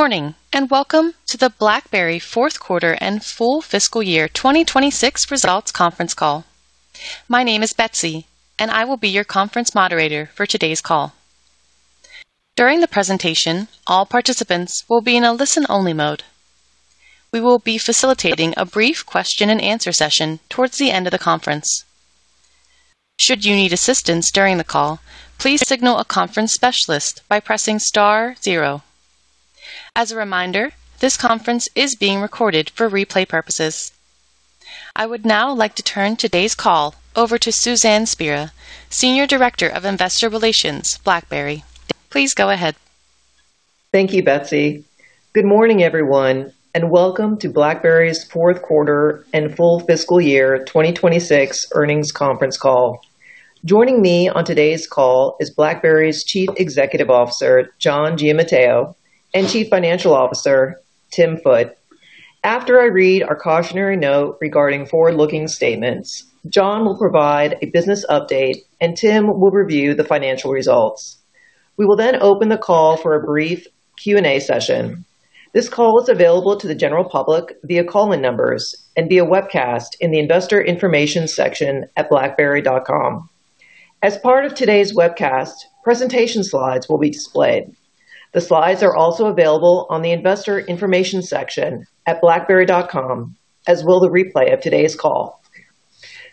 Morning and welcome to the BlackBerry Fourth Quarter and Full Fiscal Year 2026 Results Conference Call. My name is Betsy, and I will be your conference moderator for today's call. During the presentation, all participants will be in a listen-only mode. We will be facilitating a brief question and answer session towards the end of the conference. Should you need assistance during the call, please signal a conference specialist by pressing star zero. As a reminder, this conference is being recorded for replay purposes. I would now like to turn today's call over to Suzanne Spera, Senior Director of Investor Relations, BlackBerry. Please go ahead. Thank you, Betsy. Good morning, everyone, and welcome to BlackBerry's Fourth Quarter and Full Fiscal Year 2026 Earnings Conference Call. Joining me on today's call is BlackBerry's Chief Executive Officer, John Giamatteo, and Chief Financial Officer, Tim Foote. After I read our cautionary note regarding forward-looking statements, John will provide a business update, and Tim will review the financial results. We will then open the call for a brief Q&A session. This call is available to the general public via call-in numbers and via webcast in the Investor Information section at blackberry.com. As part of today's webcast, presentation slides will be displayed. The slides are also available on the Investor Information section at blackberry.com, as will the replay of today's call.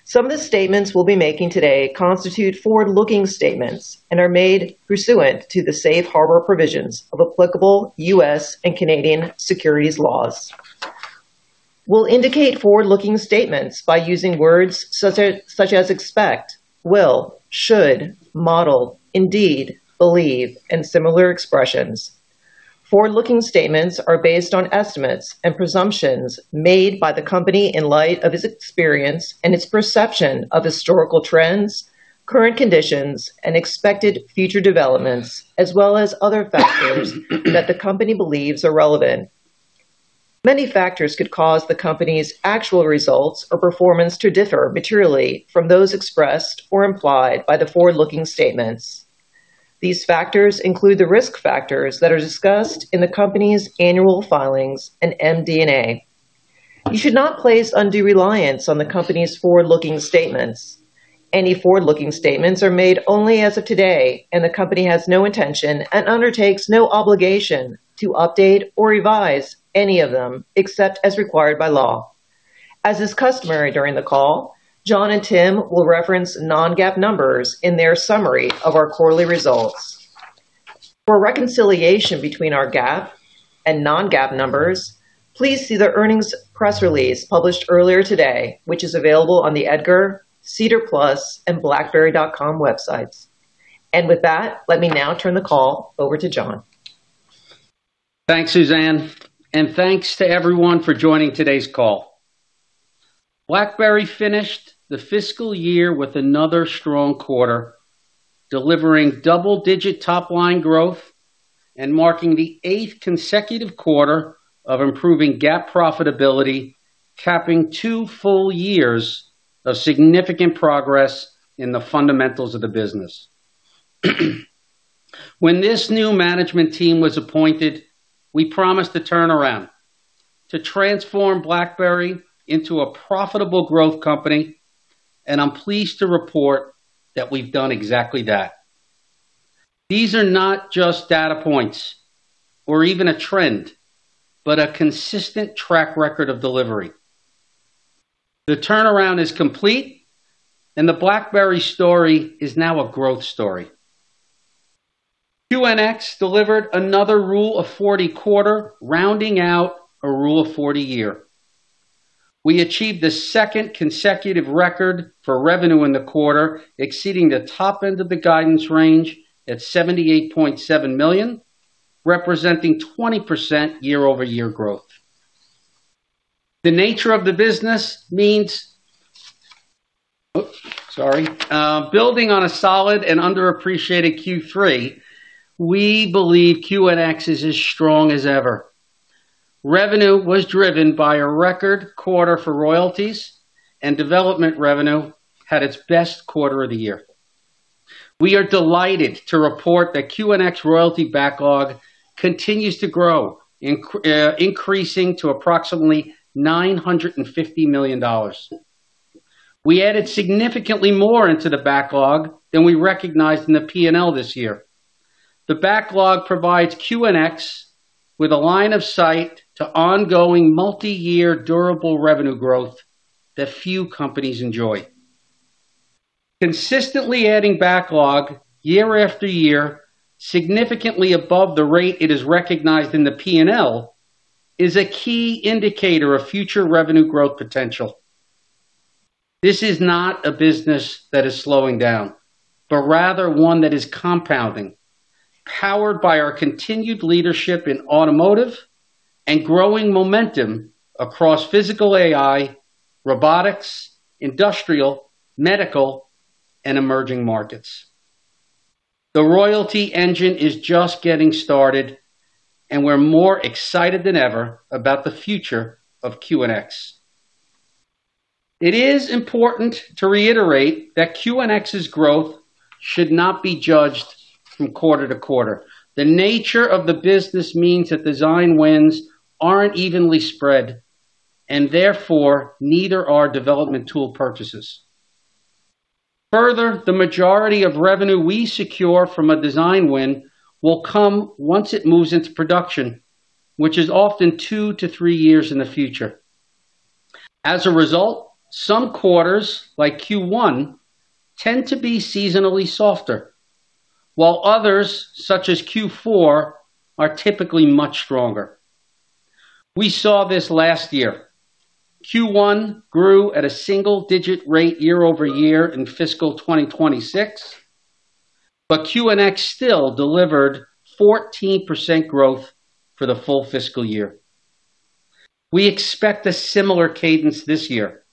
Some of the statements we'll be making today constitute forward-looking statements and are made pursuant to the safe harbor provisions of applicable U.S. and Canadian securities laws. We'll indicate forward-looking statements by using words such as expect, will, should, model, indeed, believe, and similar expressions. Forward-looking statements are based on estimates and presumptions made by the company in light of its experience and its perception of historical trends, current conditions, and expected future developments, as well as other factors that the company believes are relevant. Many factors could cause the company's actual results or performance to differ materially from those expressed or implied by the forward-looking statements. These factors include the risk factors that are discussed in the company's annual filings and MD&A. You should not place undue reliance on the company's forward-looking statements. Any forward-looking statements are made only as of today, and the company has no intention and undertakes no obligation to update or revise any of them except as required by law. As is customary during the call, John and Tim will reference non-GAAP numbers in their summary of our quarterly results. For reconciliation between our GAAP and non-GAAP numbers, please see the earnings press release published earlier today, which is available on the EDGAR, SEDAR+ and blackberry.com websites. With that, let me now turn the call over to John. Thanks, Suzanne, and thanks to everyone for joining today's call. BlackBerry finished the fiscal year with another strong quarter, delivering double-digit top-line growth and marking the eighth consecutive quarter of improving GAAP profitability, capping two full years of significant progress in the fundamentals of the business. When this new management team was appointed, we promised a turnaround to transform BlackBerry into a profitable growth company, and I'm pleased to report that we've done exactly that. These are not just data points or even a trend, but a consistent track record of delivery. The turnaround is complete, and the BlackBerry story is now a growth story. QNX delivered another Rule of 40 quarter, rounding out a Rule of 40 year. We achieved the second consecutive record for revenue in the quarter, exceeding the top end of the guidance range at $78.7 million, representing 20% year-over-year growth. Building on a solid and underappreciated Q3, we believe QNX is as strong as ever. Revenue was driven by a record quarter for royalties and development revenue had its best quarter of the year. We are delighted to report that QNX royalty backlog continues to grow, increasing to approximately $950 million. We added significantly more into the backlog than we recognized in the P&L this year. The backlog provides QNX with a line of sight to ongoing multi-year durable revenue growth that few companies enjoy. Consistently adding backlog year after year, significantly above the rate it is recognized in the P&L, is a key indicator of future revenue growth potential. This is not a business that is slowing down, but rather one that is compounding, powered by our continued leadership in automotive and growing momentum across physical AI, robotics, industrial, medical, and emerging markets. The royalty engine is just getting started, and we're more excited than ever about the future of QNX. It is important to reiterate that QNX's growth should not be judged from quarter-to-quarter. The nature of the business means that design wins aren't evenly spread, and therefore neither are development tool purchases. Further, the majority of revenue we secure from a design win will come once it moves into production, which is often two to three years in the future. As a result, some quarters, like Q1, tend to be seasonally softer, while others, such as Q4, are typically much stronger. We saw this last year. Q1 grew at a single-digit rate year-over-year in fiscal 2026, but QNX still delivered 14% growth for the full fiscal year. We expect a similar cadence this year.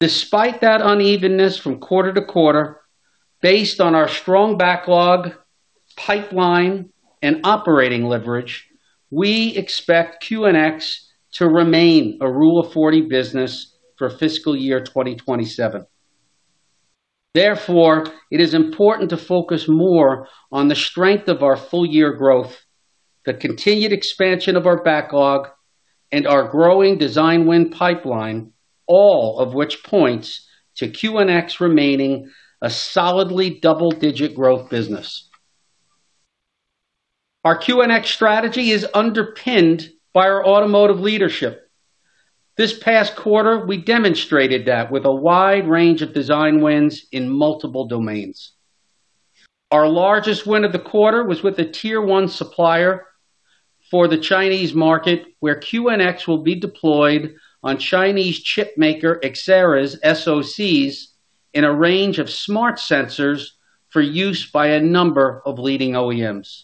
Despite that unevenness from quarter-to-quarter, based on our strong backlog, pipeline, and operating leverage, we expect QNX to remain a Rule of 40 business for fiscal year 2027. Therefore, it is important to focus more on the strength of our full-year growth, the continued expansion of our backlog, and our growing design win pipeline, all of which points to QNX remaining a solidly double-digit growth business. Our QNX strategy is underpinned by our automotive leadership. This past quarter, we demonstrated that with a wide range of design wins in multiple domains. Our largest win of the quarter was with a Tier 1 supplier for the Chinese market, where QNX will be deployed on Chinese chipmaker Axera's SoCs in a range of smart sensors for use by a number of leading OEMs.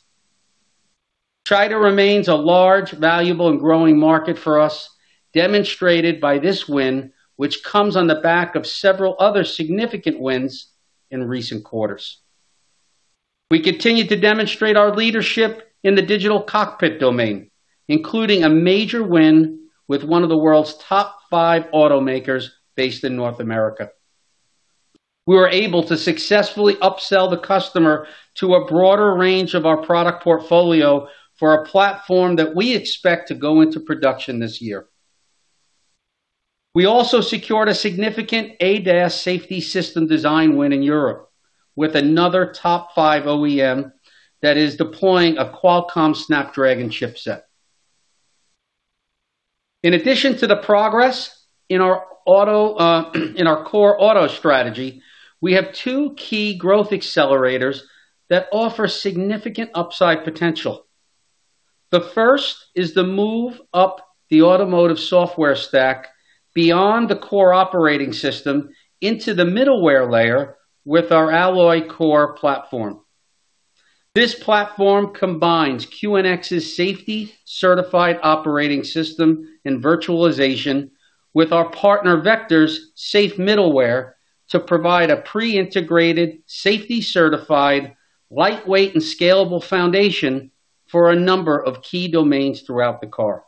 China remains a large, valuable, and growing market for us, demonstrated by this win, which comes on the back of several other significant wins in recent quarters. We continue to demonstrate our leadership in the digital cockpit domain, including a major win with one of the world's top five automakers based in North America. We were able to successfully upsell the customer to a broader range of our product portfolio for a platform that we expect to go into production this year. We also secured a significant ADAS safety system design win in Europe with another top five OEM that is deploying a Qualcomm Snapdragon chipset. In addition to the progress in our core auto strategy, we have two key growth accelerators that offer significant upside potential. The first is the move up the automotive software stack beyond the core operating system into the middleware layer with our Alloy Kore platform. This platform combines QNX's safety certified operating system and virtualization with our partner Vector's safe middleware to provide a pre-integrated, safety certified, lightweight and scalable foundation for a number of key domains throughout the car.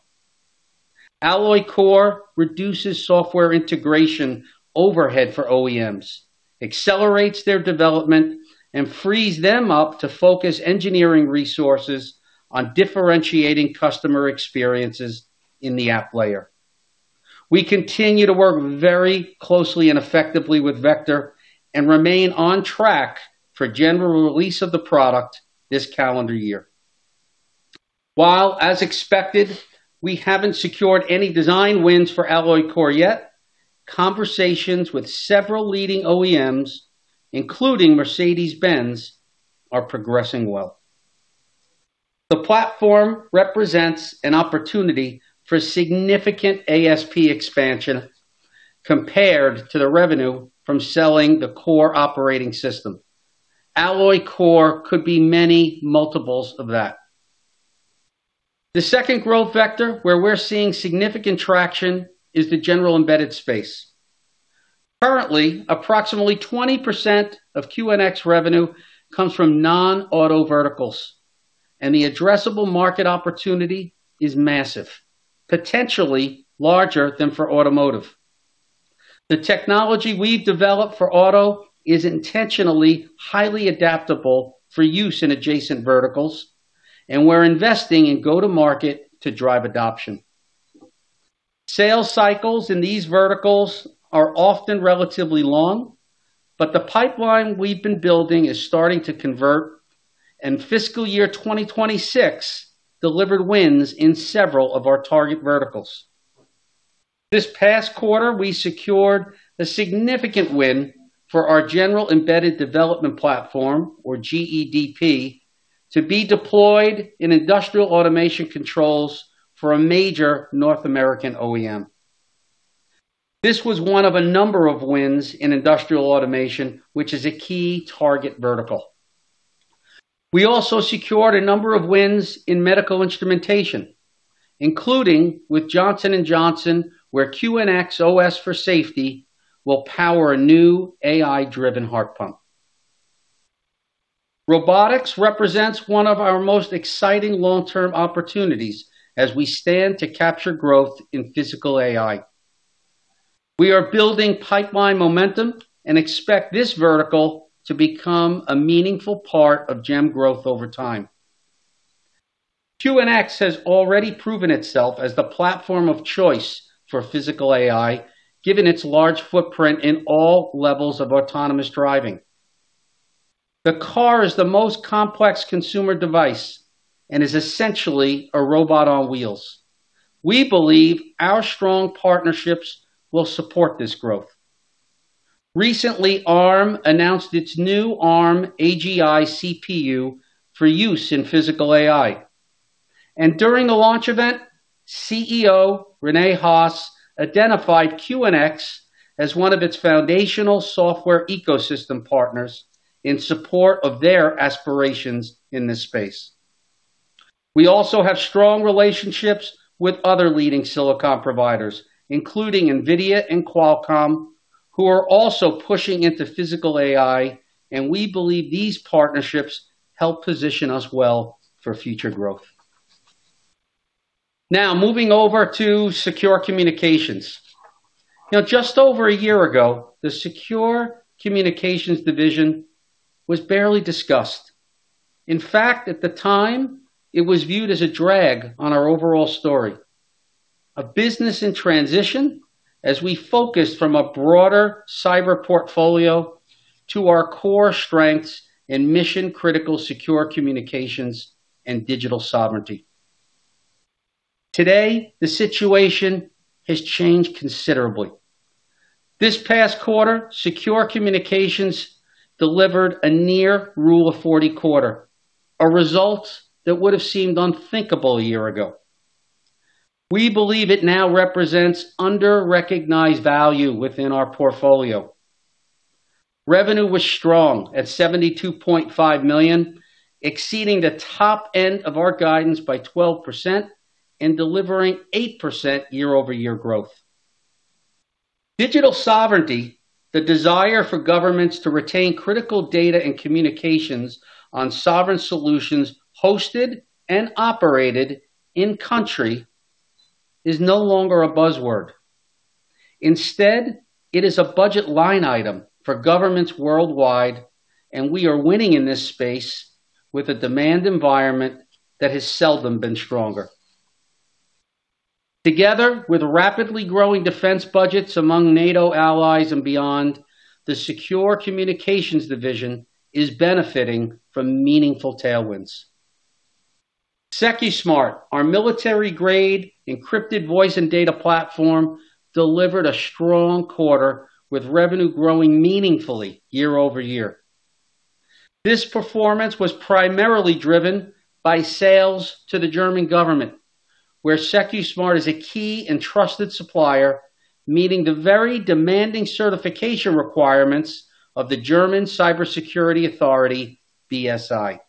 Alloy Kore reduces software integration overhead for OEMs, accelerates their development, and frees them up to focus engineering resources on differentiating customer experiences in the app layer. We continue to work very closely and effectively with Vector and remain on track for general release of the product this calendar year. While as expected, we haven't secured any design wins for Alloy Kore yet, conversations with several leading OEMs, including Mercedes-Benz, are progressing well. The platform represents an opportunity for significant ASP expansion compared to the revenue from selling the core operating system. Alloy Kore could be many multiples of that. The second growth vector where we're seeing significant traction is the general embedded space. Currently, approximately 20% of QNX revenue comes from non-auto verticals, and the addressable market opportunity is massive, potentially larger than for automotive. The technology we've developed for auto is intentionally highly adaptable for use in adjacent verticals, and we're investing in go-to-market to drive adoption. Sales cycles in these verticals are often relatively long, but the pipeline we've been building is starting to convert, and fiscal year 2026 delivered wins in several of our target verticals. This past quarter, we secured a significant win for our General Embedded Development Platform, or GEDP, to be deployed in industrial automation controls for a major North American OEM. This was one of a number of wins in industrial automation, which is a key target vertical. We also secured a number of wins in medical instrumentation, including with Johnson & Johnson, where QNX OS for Safety will power a new AI-driven heart pump. Robotics represents one of our most exciting long-term opportunities as we stand to capture growth in physical AI. We are building pipeline momentum and expect this vertical to become a meaningful part of GEM growth over time. QNX has already proven itself as the platform of choice for physical AI, given its large footprint in all levels of autonomous driving. The car is the most complex consumer device and is essentially a robot on wheels. We believe our strong partnerships will support this growth. Recently, Arm announced its new Arm AGI CPU for use in physical AI. During the launch event, CEO Rene Haas identified QNX as one of its foundational software ecosystem partners in support of their aspirations in this space. We also have strong relationships with other leading silicon providers, including NVIDIA and Qualcomm, who are also pushing into physical AI, and we believe these partnerships help position us well for future growth. Now, moving over to Secure Communications. Just over a year ago, the Secure Communications division was barely discussed. In fact, at the time, it was viewed as a drag on our overall story, a business in transition, as we focused from a broader cyber portfolio to our core strengths in mission-critical secure communications and digital sovereignty. Today, the situation has changed considerably. This past quarter, Secure Communications delivered a near Rule of 40 quarter, a result that would have seemed unthinkable a year ago. We believe it now represents under-recognized value within our portfolio. Revenue was strong at $72.5 million, exceeding the top end of our guidance by 12% and delivering 8% year-over-year growth. Digital sovereignty, the desire for governments to retain critical data and communications on sovereign solutions hosted and operated in country is no longer a buzzword. Instead, it is a budget line item for governments worldwide, and we are winning in this space with a demand environment that has seldom been stronger. Together with rapidly growing defense budgets among NATO allies and beyond, the Secure Communications division is benefiting from meaningful tailwinds. Secusmart, our military-grade encrypted voice and data platform, delivered a strong quarter with revenue growing meaningfully year-over-year. This performance was primarily driven by sales to the German government, where Secusmart is a key and trusted supplier, meeting the very demanding certification requirements of the German Cybersecurity Authority, BSI.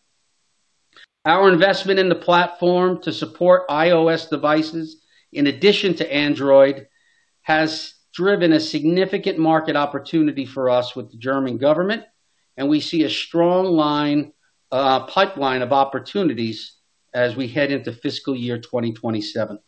Our investment in the platform to support iOS devices, in addition to Android, has driven a significant market opportunity for us with the German government, and we see a strong pipeline of opportunities as we head into fiscal year 2027.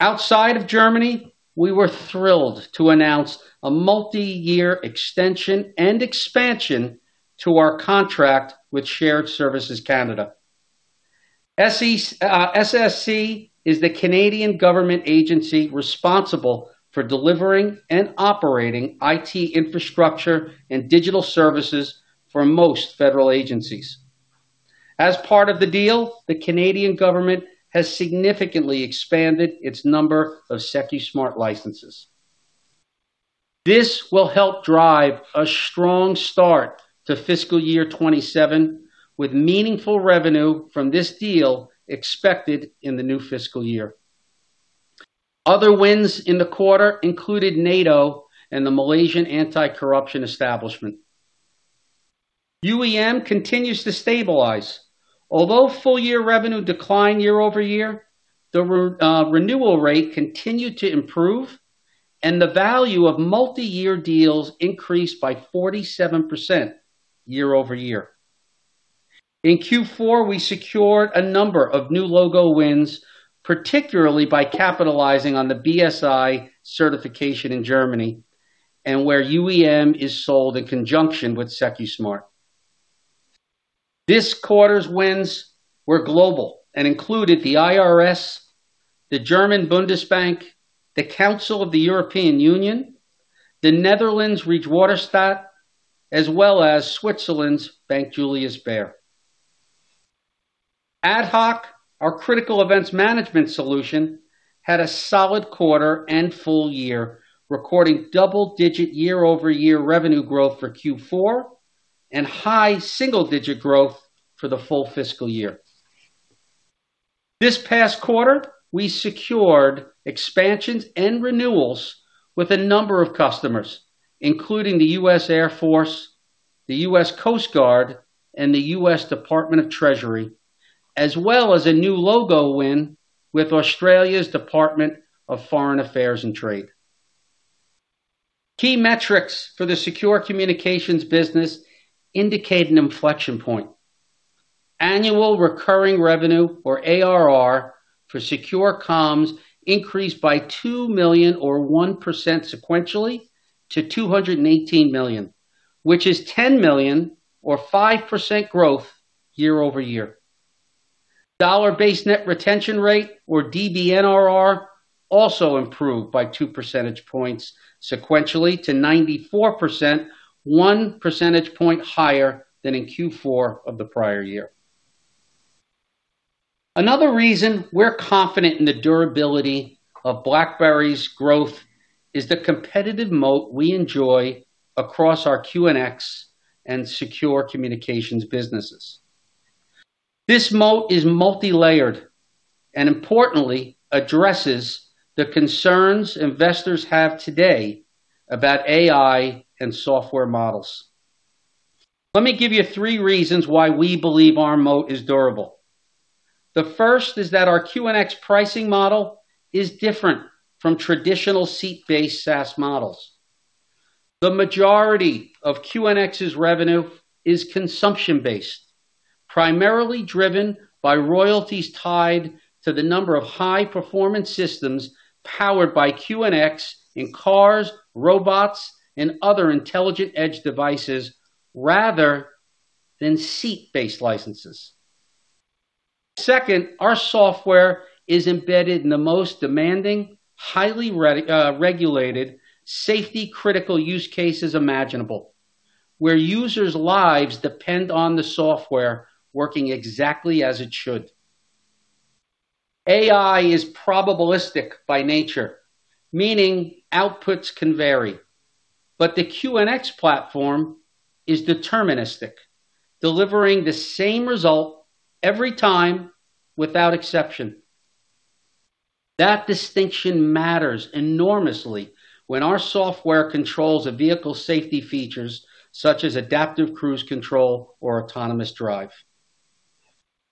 Outside of Germany, we were thrilled to announce a multi-year extension and expansion to our contract with Shared Services Canada. SSC is the Canadian government agency responsible for delivering and operating IT infrastructure and digital services for most federal agencies. As part of the deal, the Canadian government has significantly expanded its number of Secusmart licenses. This will help drive a strong start to fiscal year 2027, with meaningful revenue from this deal expected in the new fiscal year. Other wins in the quarter included NATO and the Malaysian Anti-Corruption Commission. UEM continues to stabilize. Although full-year revenue declined year-over-year, the renewal rate continued to improve, and the value of multi-year deals increased by 47% year-over-year. In Q4, we secured a number of new logo wins, particularly by capitalizing on the BSI certification in Germany, and where UEM is sold in conjunction with Secusmart. This quarter's wins were global and included the IRS, the German Bundesbank, the Council of the European Union, the Netherlands' Rijkswaterstaat, as well as Switzerland's Bank Julius Baer. AtHoc, our critical events management solution, had a solid quarter and full year, recording double-digit year-over-year revenue growth for Q4 and high single-digit growth for the full fiscal year. This past quarter, we secured expansions and renewals with a number of customers, including the United States Air Force, the United States Coast Guard, and the United States Department of the Treasury, as well as a new logo win with Australia's Department of Foreign Affairs and Trade. Key metrics for the Secure Communications business indicate an inflection point. Annual recurring revenue, or ARR, for Secure Comms increased by $2 million or 1% sequentially to $218 million, which is $10 million, or 5% growth year-over-year. Dollar-based net retention rate, or DBNRR, also improved by 2 percentage points sequentially to 94%, 1 percentage point higher than in Q4 of the prior year. Another reason we're confident in the durability of BlackBerry's growth is the competitive moat we enjoy across our QNX and Secure Communications businesses. This moat is multilayered and importantly addresses the concerns investors have today about AI and software models. Let me give you three reasons why we believe our moat is durable. The first is that our QNX pricing model is different from traditional seat-based SaaS models. The majority of QNX's revenue is consumption-based, primarily driven by royalties tied to the number of high-performance systems powered by QNX in cars, robots, and other intelligent edge devices rather than seat-based licenses. Second, our software is embedded in the most demanding, highly regulated, safety-critical use cases imaginable, where users' lives depend on the software working exactly as it should. AI is probabilistic by nature, meaning outputs can vary, but the QNX platform is deterministic, delivering the same result every time without exception. That distinction matters enormously when our software controls a vehicle's safety features such as adaptive cruise control or autonomous drive.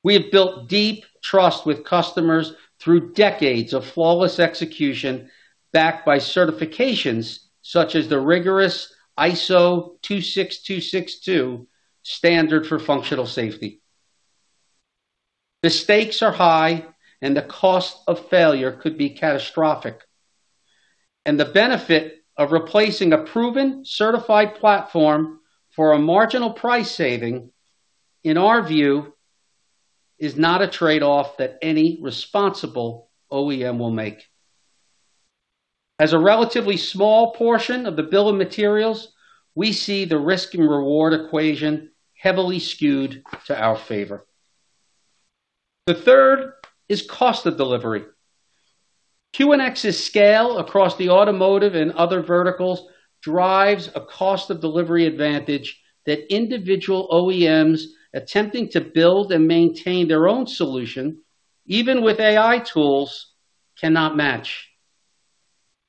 We have built deep trust with customers through decades of flawless execution, backed by certifications such as the rigorous ISO 26262 standard for functional safety. The stakes are high, and the cost of failure could be catastrophic. The benefit of replacing a proven certified platform for a marginal price saving, in our view, is not a trade-off that any responsible OEM will make. As a relatively small portion of the bill of materials, we see the risk and reward equation heavily skewed to our favor. The third is cost of delivery. QNX's scale across the automotive and other verticals drives a cost of delivery advantage that individual OEMs attempting to build and maintain their own solution, even with AI tools, cannot match.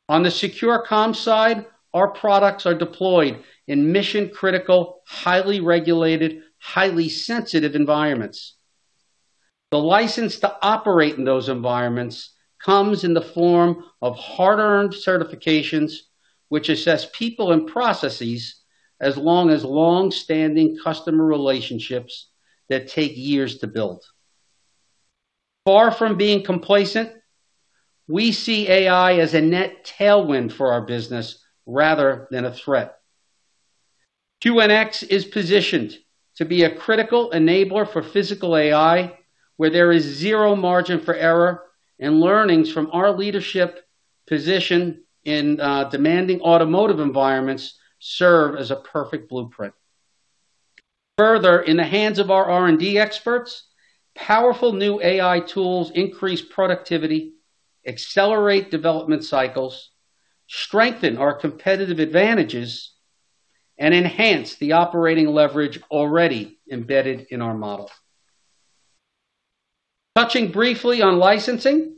On the Secure Comms side, our products are deployed in mission-critical, highly regulated, highly sensitive environments. The license to operate in those environments comes in the form of hard-earned certifications, which assess people and processes as long as longstanding customer relationships that take years to build. Far from being complacent, we see AI as a net tailwind for our business rather than a threat. QNX is positioned to be a critical enabler for physical AI, where there is zero margin for error, and learnings from our leadership position in demanding automotive environments serve as a perfect blueprint. Further, in the hands of our R&D experts, powerful new AI tools increase productivity, accelerate development cycles, strengthen our competitive advantages, and enhance the operating leverage already embedded in our model. Touching briefly on licensing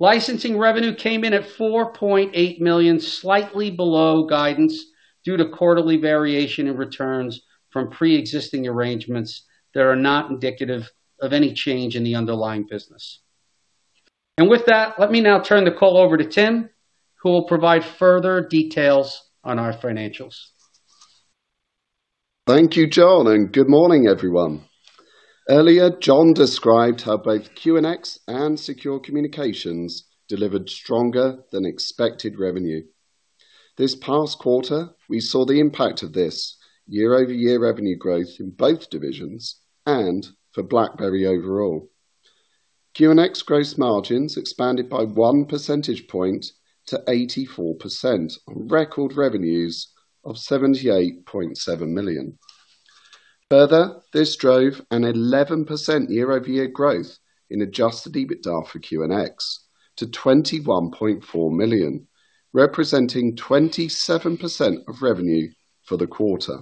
revenue came in at $4.8 million, slightly below guidance due to quarterly variation in returns from preexisting arrangements that are not indicative of any change in the underlying business. With that, let me now turn the call over to Tim, who will provide further details on our financials. Thank you, John, and good morning, everyone. Earlier, John described how both QNX and Secure Communications delivered stronger than expected revenue. This past quarter, we saw the impact of this year-over-year revenue growth in both divisions and for BlackBerry overall. QNX gross margins expanded by 1 percentage point to 84% on record revenues of $78.7 million. Further, this drove an 11% year-over-year growth in adjusted EBITDA for QNX to $21.4 million, representing 27% of revenue for the quarter.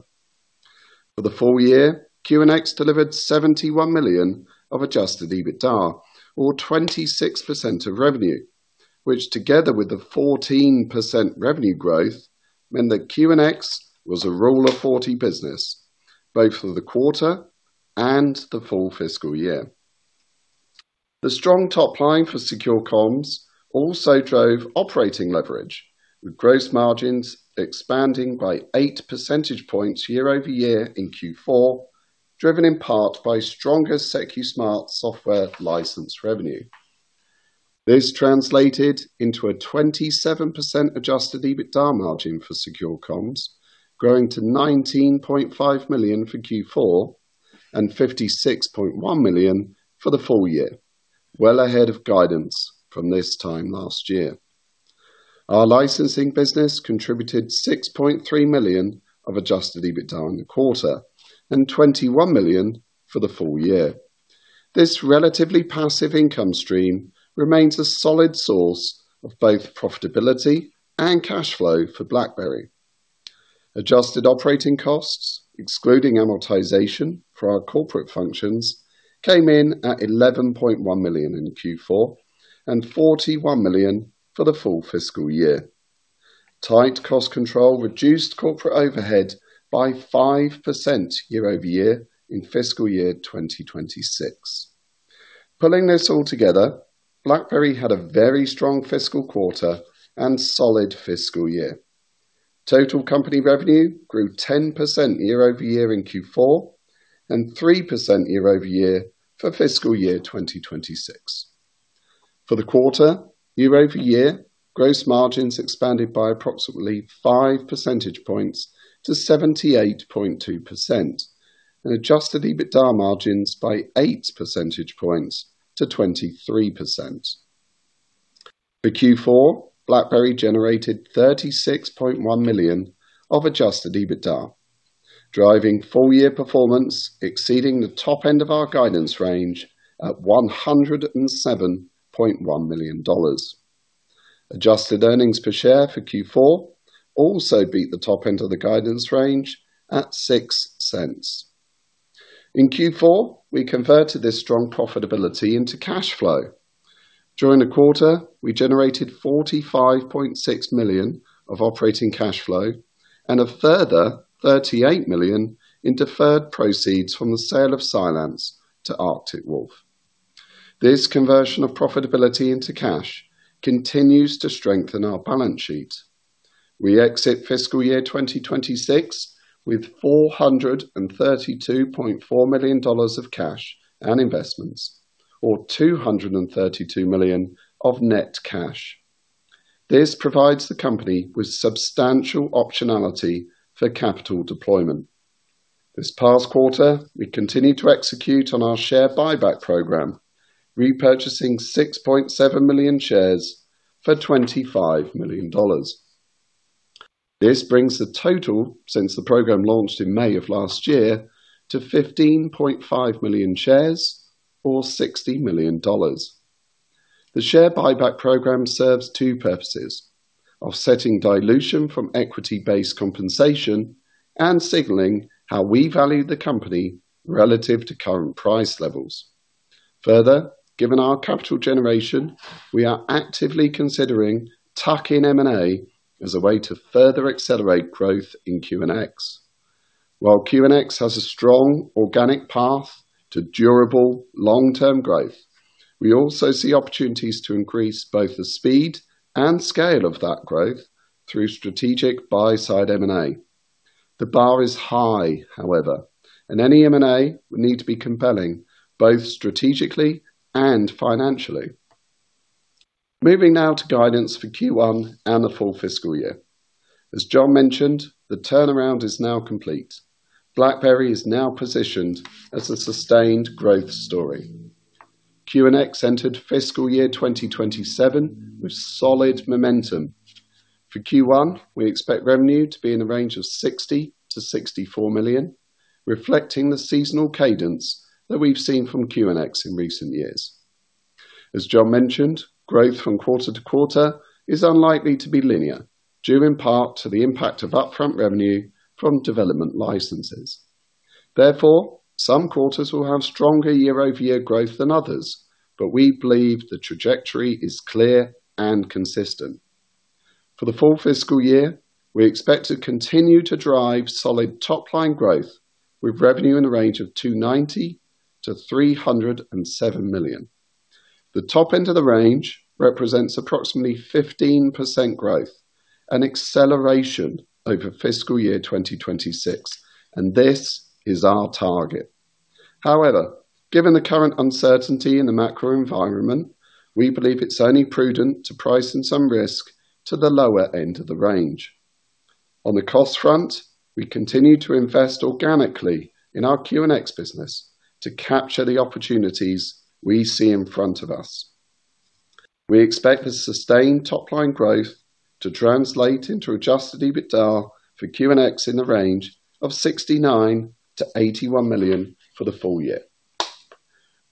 For the full year, QNX delivered $71 million of adjusted EBITDA or 26% of revenue, which together with the 14% revenue growth, meant that QNX was a Rule of 40 business both for the quarter and the full fiscal year. The strong top line for Secure Comms also drove operating leverage, with gross margins expanding by 8 percentage points year-over-year in Q4, driven in part by stronger Secusmart software license revenue. This translated into a 27% adjusted EBITDA margin for Secure Comms, growing to $19.5 million for Q4 and $56.1 million for the full year, well ahead of guidance from this time last year. Our licensing business contributed $6.3 million of adjusted EBITDA in the quarter and $21 million for the full year. This relatively passive income stream remains a solid source of both profitability and cash flow for BlackBerry. Adjusted operating costs, excluding amortization for our corporate functions, came in at $11.1 million in Q4 and $41 million for the full fiscal year. Tight cost control reduced corporate overhead by 5% year-over-year in fiscal year 2026. Pulling this all together, BlackBerry had a very strong fiscal quarter and solid fiscal year. Total company revenue grew 10% year-over-year in Q4 and 3% year-over-year for fiscal year 2026. For the quarter, year-over-year, gross margins expanded by approximately 5 percentage points to 78.2%, and adjusted EBITDA margins by 8 percentage points to 23%. For Q4, BlackBerry generated $36.1 million of adjusted EBITDA, driving full year performance exceeding the top end of our guidance range at $107.1 million. Adjusted earnings per share for Q4 also beat the top end of the guidance range at $0.06. In Q4, we converted this strong profitability into cash flow. During the quarter, we generated $45.6 million of operating cash flow and a further $38 million in deferred proceeds from the sale of Cylance to Arctic Wolf. This conversion of profitability into cash continues to strengthen our balance sheet. We exit fiscal year 2026 with $432.4 million of cash and investments, or $232 million of net cash. This provides the company with substantial optionality for capital deployment. This past quarter, we continued to execute on our share buyback program, repurchasing 6.7 million shares for $25 million. This brings the total since the program launched in May of last year to 15.5 million shares or $60 million. The share buyback program serves two purposes, offsetting dilution from equity-based compensation and signaling how we value the company relative to current price levels. Further, given our capital generation, we are actively considering tuck-in M&A as a way to further accelerate growth in QNX. While QNX has a strong organic path to durable long-term growth, we also see opportunities to increase both the speed and scale of that growth through strategic buy side M&A. The bar is high, however, and any M&A would need to be compelling, both strategically and financially. Moving now to guidance for Q1 and the full fiscal year. As John mentioned, the turnaround is now complete. BlackBerry is now positioned as a sustained growth story. QNX entered fiscal year 2027 with solid momentum. For Q1, we expect revenue to be in the range of $60 million-$64 million, reflecting the seasonal cadence that we've seen from QNX in recent years. As John mentioned, growth from quarter-to-quarter is unlikely to be linear, due in part to the impact of upfront revenue from development licenses. Therefore, some quarters will have stronger year-over-year growth than others, but we believe the trajectory is clear and consistent. For the full fiscal year, we expect to continue to drive solid top-line growth with revenue in the range of $290 million-$307 million. The top end of the range represents approximately 15% growth, an acceleration over fiscal year 2026, and this is our target. However, given the current uncertainty in the macro environment, we believe it's only prudent to price in some risk to the lower end of the range. On the cost front, we continue to invest organically in our QNX business to capture the opportunities we see in front of us. We expect the sustained top-line growth to translate into adjusted EBITDA for QNX in the range of $69 million-$81 million for the full year.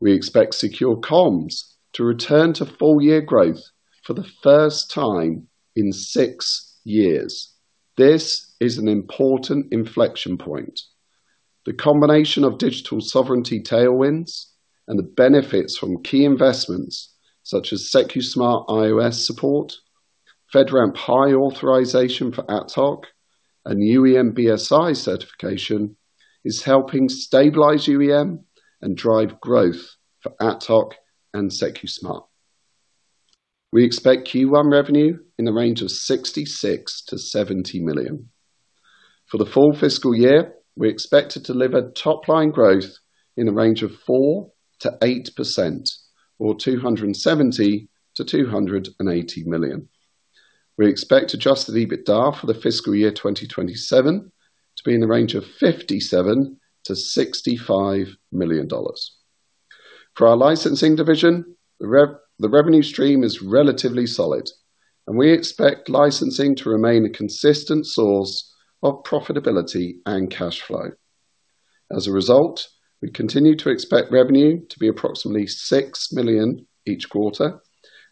We expect Secure Comms to return to full year growth for the first time in six years. This is an important inflection point. The combination of digital sovereignty tailwinds and the benefits from key investments such as Secusmart iOS support, FedRAMP High authorization for AtHoc and UEM, BSI certification is helping stabilize UEM and drive growth for AtHoc and Secusmart. We expect Q1 revenue in the range of $66 million-$70 million. For the full fiscal year, we expect to deliver top-line growth in the range of 4%-8%, or $270 million-$280 million. We expect adjusted EBITDA for the fiscal year 2027 to be in the range of $57 million-$65 million. For our licensing division, the revenue stream is relatively solid, and we expect licensing to remain a consistent source of profitability and cash flow. As a result, we continue to expect revenue to be approximately $6 million each quarter,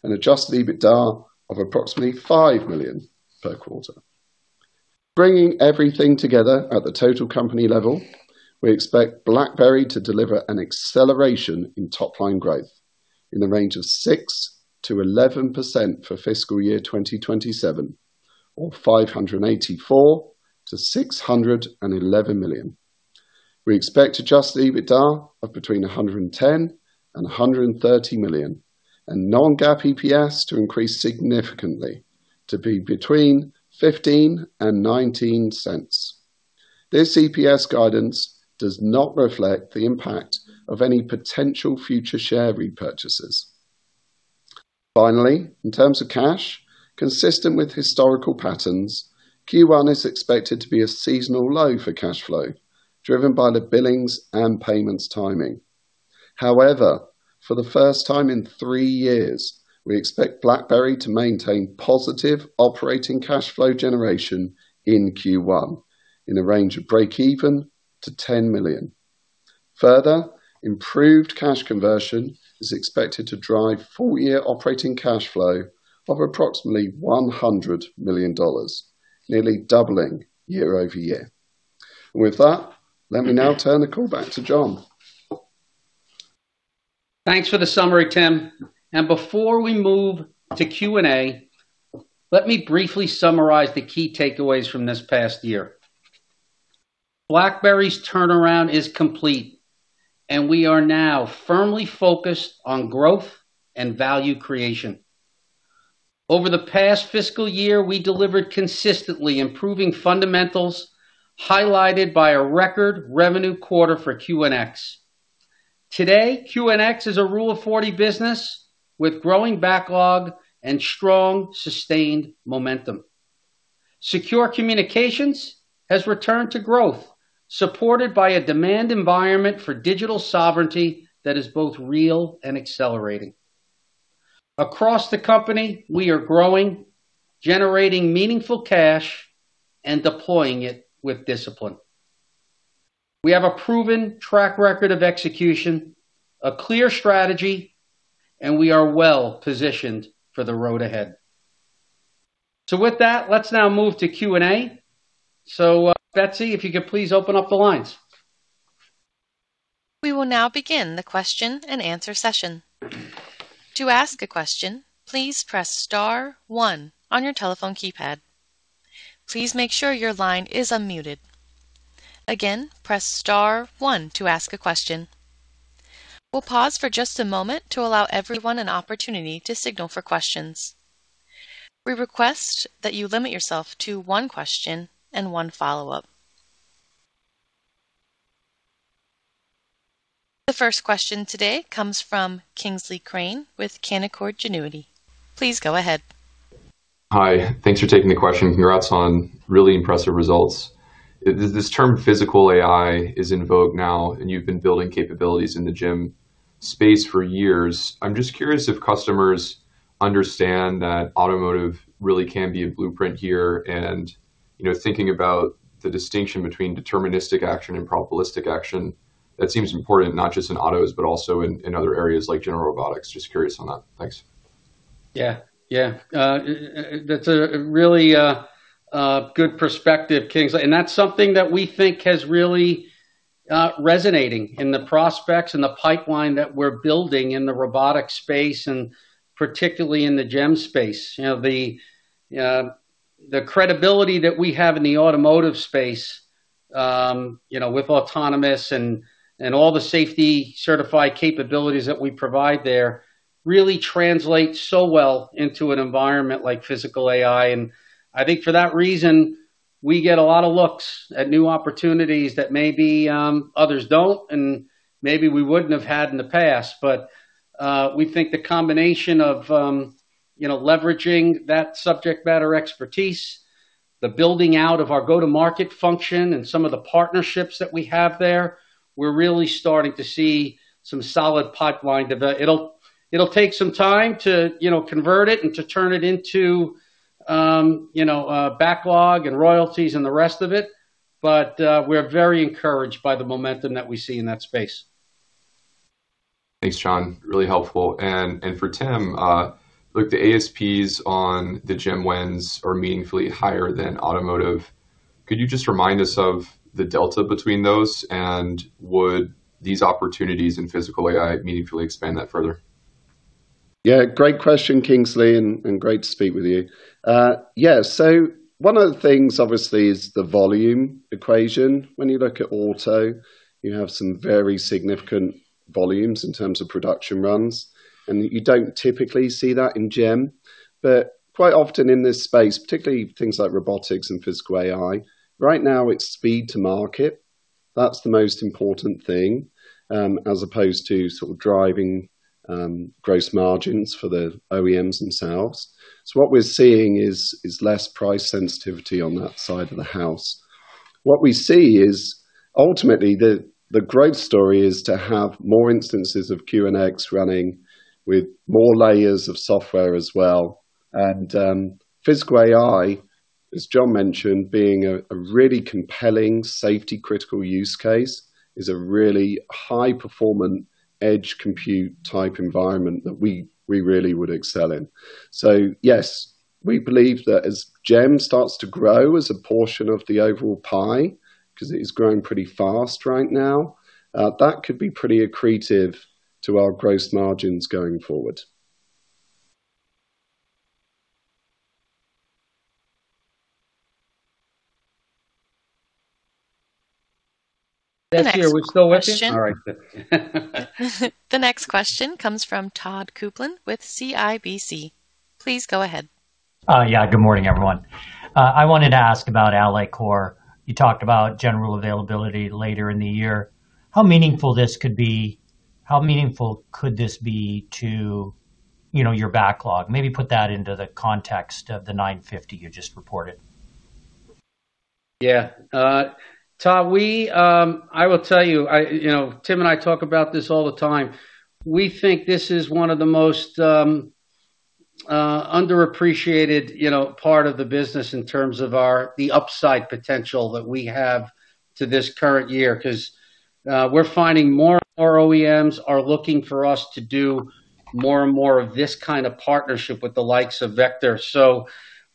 and adjusted EBITDA of approximately $5 million per quarter. Bringing everything together at the total company level, we expect BlackBerry to deliver an acceleration in top-line growth in the range of 6%-11% for fiscal year 2027, or $584 million-$611 million. We expect adjusted EBITDA of between $110 million and $130 million, and non-GAAP EPS to increase significantly to be between $0.15 and $0.19. This EPS guidance does not reflect the impact of any potential future share repurchases. Finally, in terms of cash, consistent with historical patterns, Q1 is expected to be a seasonal low for cash flow, driven by the billings and payments timing. However, for the first time in three years, we expect BlackBerry to maintain positive operating cash flow generation in Q1, in the range of breakeven to $10 million. Further, improved cash conversion is expected to drive full-year operating cash flow of approximately $100 million, nearly doubling year-over-year. With that, let me now turn the call back to John. Thanks for the summary, Tim. Before we move to Q&A, let me briefly summarize the key takeaways from this past year. BlackBerry's turnaround is complete, and we are now firmly focused on growth and value creation. Over the past fiscal year, we delivered consistently improving fundamentals, highlighted by a record revenue quarter for QNX. Today, QNX is a Rule of 40 business with growing backlog and strong, sustained momentum. Secure Communications has returned to growth, supported by a demand environment for digital sovereignty that is both real and accelerating. Across the company, we are growing, generating meaningful cash, and deploying it with discipline. We have a proven track record of execution, a clear strategy, and we are well-positioned for the road ahead. With that, let's now move to Q&A. Betsy, if you could please open up the lines. We will now begin the question and answer session. To ask a question, please press star one on your telephone keypad. Please make sure your line is unmuted. Again, press star one to ask a question. We'll pause for just a moment to allow everyone an opportunity to signal for questions. We request that you limit yourself to one question and one follow-up. The first question today comes from Kingsley Crane with Canaccord Genuity. Please go ahead. Hi. Thanks for taking the question. Congrats on really impressive results. This term physical AI is in vogue now, and you've been building capabilities in the GEM space for years. I'm just curious if customers understand that automotive really can be a blueprint here. Thinking about the distinction between deterministic action and probabilistic action, that seems important, not just in autos, but also in other areas like general robotics. Just curious on that. Thanks. Yeah. That's a really good perspective, Kingsley. That's something that we think has really resonating in the prospects and the pipeline that we're building in the robotics space, and particularly in the GEM space. The credibility that we have in the automotive space, with autonomous and all the safety certified capabilities that we provide there, really translates so well into an environment like physical AI. I think for that reason, we get a lot of looks at new opportunities that maybe others don't, and maybe we wouldn't have had in the past. We think the combination of leveraging that subject matter expertise, the building out of our go-to-market function and some of the partnerships that we have there, we're really starting to see some solid pipeline development. It'll take some time to convert it and to turn it into backlog and royalties and the rest of it. We're very encouraged by the momentum that we see in that space. Thanks, John. Really helpful. For Tim, the ASPs on the GEM wins are meaningfully higher than automotive. Could you just remind us of the delta between those, and would these opportunities in physical AI meaningfully expand that further? Yeah, great question, Kingsley, and great to speak with you. Yeah. One of the things, obviously, is the volume equation. When you look at auto, you have some very significant volumes in terms of production runs, and you don't typically see that in GEM. Quite often in this space, particularly things like robotics and physical AI, right now it's speed to market. That's the most important thing, as opposed to sort of driving gross margins for the OEMs themselves. What we're seeing is less price sensitivity on that side of the house. What we see is ultimately the growth story is to have more instances of QNX running with more layers of software as well. Physical AI, as John mentioned, being a really compelling safety critical use case, is a really high performance edge compute type environment that we really would excel in. Yes, we believe that as GEM starts to grow as a portion of the overall pie, because it is growing pretty fast right now, that could be pretty accretive to our gross margins going forward. That's here. Are we still with you? All right, good. The next question comes from Todd Coupland with CIBC. Please go ahead. Good morning, everyone. I wanted to ask about Alloy Kore. You talked about general availability later in the year. How meaningful could this be to your backlog? Maybe put that into the context of the $950 million you just reported. Yeah. Todd, I will tell you, Tim and I talk about this all the time. We think this is one of the most underappreciated part of the business in terms of the upside potential that we have to this current year, because we're finding more and more OEMs are looking for us to do more and more of this kind of partnership with the likes of Vector.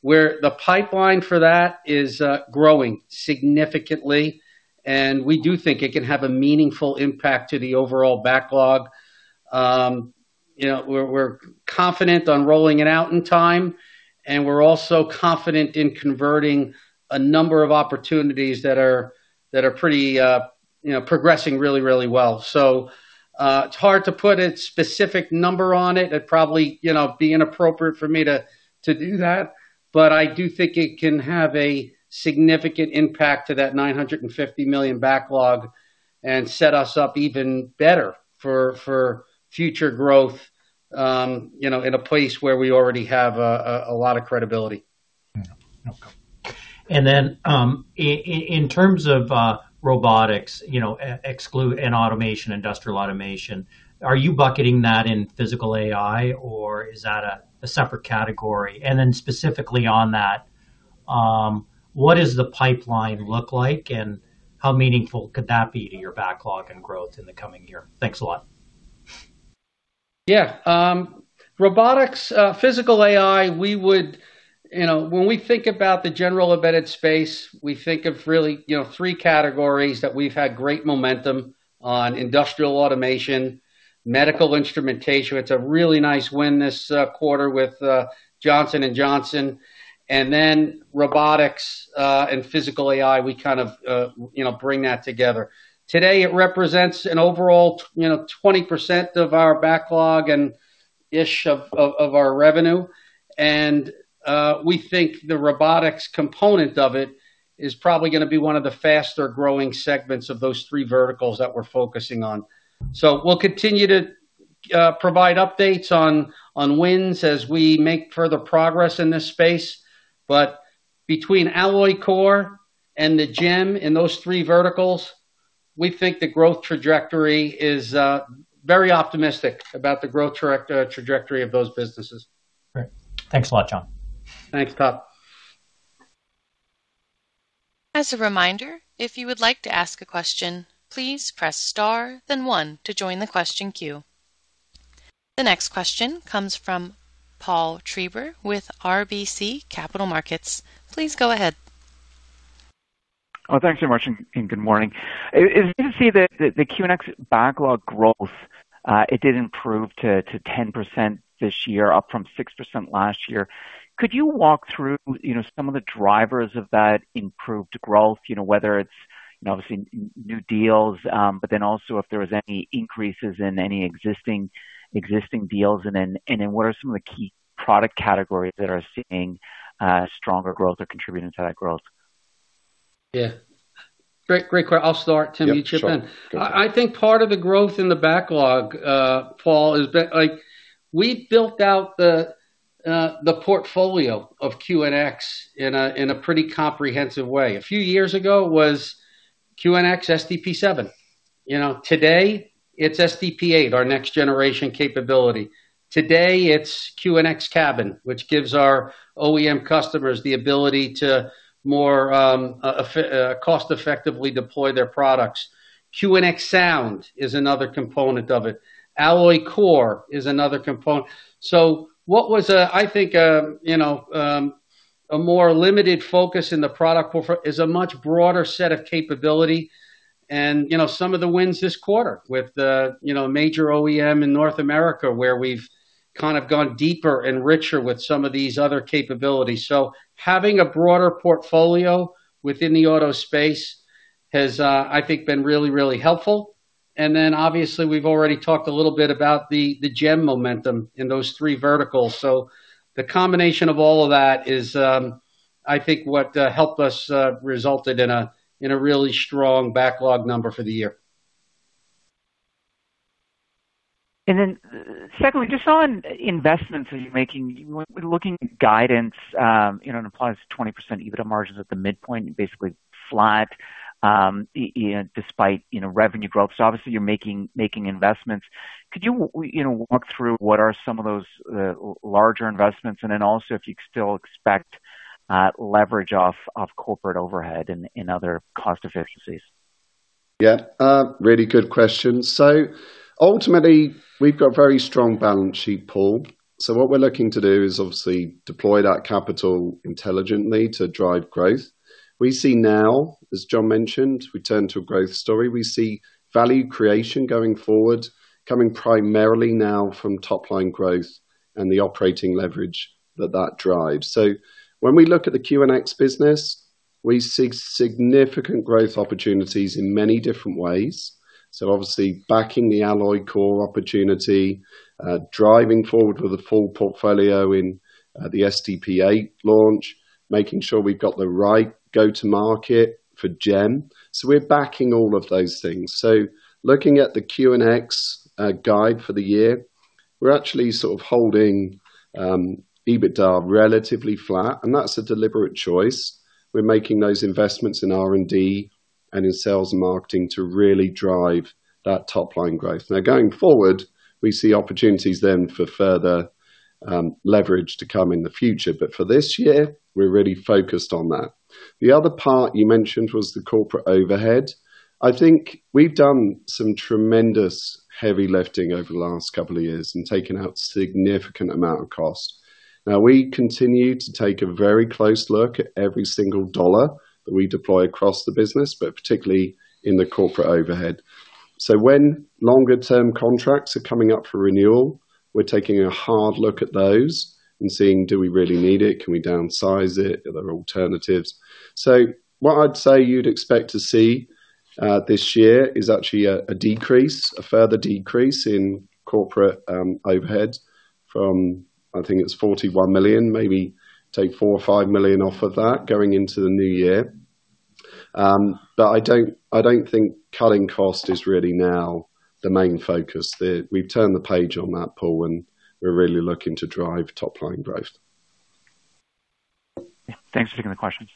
The pipeline for that is growing significantly, and we do think it can have a meaningful impact to the overall backlog. We're confident on rolling it out in time, and we're also confident in converting a number of opportunities that are progressing really, really well. It's hard to put a specific number on it. It'd probably be inappropriate for me to do that. I do think it can have a significant impact to that $950 million backlog and set us up even better for future growth in a place where we already have a lot of credibility. Okay. In terms of robotics and automation, industrial automation, are you bucketing that in physical AI, or is that a separate category? Specifically on that, what does the pipeline look like, and how meaningful could that be to your backlog and growth in the coming year? Thanks a lot. Yeah. Robotics, physical AI, when we think about the general embedded space, we think of really three categories that we've had great momentum on: industrial automation, medical instrumentation. It's a really nice win this quarter with Johnson & Johnson. Then robotics and physical AI, we kind of bring that together. Today it represents an overall 20% of our backlog and 10%-ish of our revenue. We think the robotics component of it is probably gonna be one of the faster-growing segments of those three verticals that we're focusing on. We'll continue to provide updates on wins as we make further progress in this space. Between Alloy Kore and the GEM in those three verticals, we think the growth trajectory is very optimistic about the growth trajectory of those businesses. Great. Thanks a lot, John. Thanks, Todd. As a reminder, if you would like to ask a question, please press star then one to join the question queue. The next question comes from Paul Treiber with RBC Capital Markets. Please go ahead. Oh, thanks very much, and good morning. As you can see the QNX backlog growth, it did improve to 10% this year, up from 6% last year. Could you walk through some of the drivers of that improved growth, whether it's obviously new deals, but then also if there was any increases in any existing deals? Then what are some of the key product categories that are seeing stronger growth or contributing to that growth? Great question. I'll start, Tim, you chip in. Yeah, sure. I think part of the growth in the backlog, Paul, is that we built out the portfolio of QNX in a pretty comprehensive way. A few years ago, it was QNX SDP 7.0. Today it's SDP 8.0, our next generation capability. Today it's QNX Cabin, which gives our OEM customers the ability to more cost effectively deploy their products. QNX Sound is another component of it. Alloy Kore is another component. So what was, I think, a more limited focus in the product is a much broader set of capability. Some of the wins this quarter with a major OEM in North America, where we've kind of gone deeper and richer with some of these other capabilities. So having a broader portfolio within the auto space has, I think, been really, really helpful. Obviously, we've already talked a little bit about the GEM momentum in those three verticals. The combination of all of that is, I think, what helped us resulted in a really strong backlog number for the year. Secondly, just on investments that you're making, looking at guidance, and applies to 20% EBITDA margins at the midpoint, basically flat, despite revenue growth. Obviously you're making investments. Could you walk through what are some of those larger investments? If you still expect leverage off of corporate overhead in other cost efficiencies? Yeah. Really good question. Ultimately, we've got very strong balance sheet, Paul. What we're looking to do is obviously deploy that capital intelligently to drive growth. We see now, as John mentioned, return to a growth story. We see value creation going forward, coming primarily now from top-line growth and the operating leverage that that drives. When we look at the QNX business, we see significant growth opportunities in many different ways. Obviously backing the Alloy Kore opportunity, driving forward with a full portfolio in the SDP 8.0 Launch, making sure we've got the right go to market for GEM. We're backing all of those things. Looking at the QNX guide for the year, we're actually sort of holding EBITDA relatively flat, and that's a deliberate choice. We're making those investments in R&D and in sales and marketing to really drive that top line growth. Going forward, we see opportunities then for further leverage to come in the future. For this year, we're really focused on that. The other part you mentioned was the corporate overhead. I think we've done some tremendous heavy lifting over the last couple of years and taken out significant amount of cost. Now we continue to take a very close look at every single dollar that we deploy across the business, but particularly in the corporate overhead. When longer term contracts are coming up for renewal, we're taking a hard look at those and seeing, do we really need it? Can we downsize it? Are there alternatives? What I'd say you'd expect to see this year is actually a decrease, a further decrease in corporate overhead from, I think it's $41 million, maybe take $4 or $5 million off of that going into the new year. I don't think cutting cost is really now the main focus. We've turned the page on that, Paul, and we're really looking to drive top line growth. Thanks for taking the questions.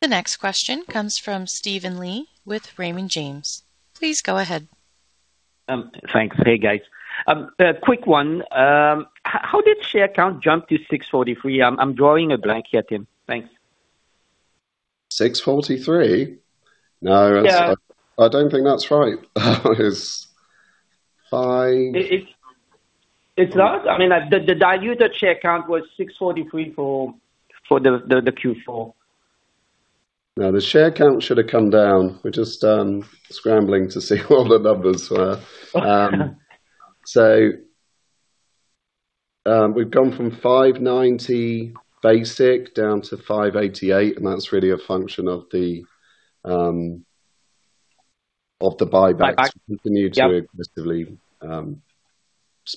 The next question comes from Steven Lee with Raymond James. Please go ahead. Thanks. Hey, guys. A quick one. How did share count jump to 643? I'm drawing a blank here, Tim. Thanks. 643? No. Yeah. I don't think that's right. It's five It's not? The diluted share count was 643 for the Q4. No, the share count should have come down. We're just scrambling to see what the numbers were. We've gone from 590 basic down to 588, and that's really a function of the buybacks. Buybacks. Yep Continue to effectively,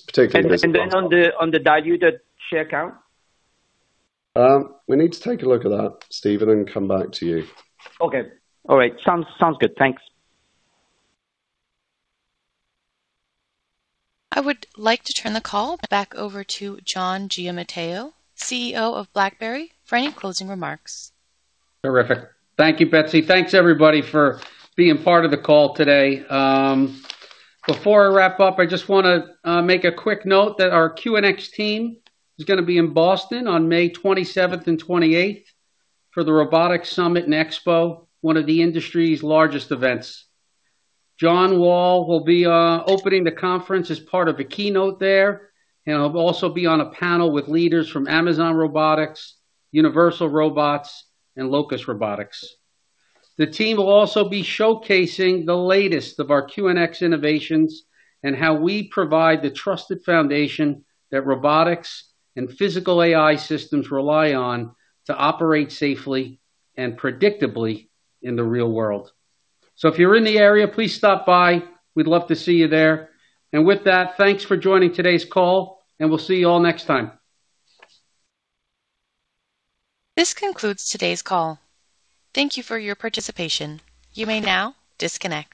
particularly. On the diluted share count? We need to take a look at that, Steven, and come back to you. Okay. All right. Sounds good. Thanks. I would like to turn the call back over to John Giamatteo, CEO of BlackBerry, for any closing remarks. Terrific. Thank you, Betsy. Thanks, everybody, for being part of the call today. Before I wrap up, I just want to make a quick note that our QNX team is going to be in Boston on May 27th and 28th for the Robotics Summit & Expo, one of the industry's largest events. John Wall will be opening the conference as part of the keynote there, and he'll also be on a panel with leaders from Amazon Robotics, Universal Robots, and Locus Robotics. The team will also be showcasing the latest of our QNX innovations and how we provide the trusted foundation that robotics and physical AI systems rely on to operate safely and predictably in the real world. If you're in the area, please stop by. We'd love to see you there. With that, thanks for joining today's call, and we'll see you all next time. This concludes today's call. Thank you for your participation. You may now disconnect.